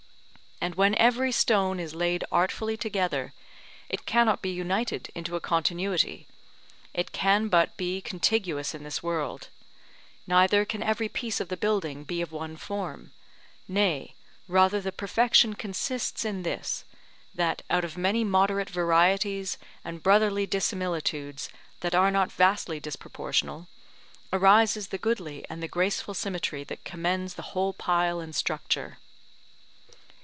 And when every stone is laid artfully together, it cannot be united into a continuity, it can but be contiguous in this world; neither can every piece of the building be of one form; nay rather the perfection consists in this, that, out of many moderate varieties and brotherly dissimilitudes that are not vastly disproportional, arises the goodly and the graceful symmetry that commends the whole pile and structure.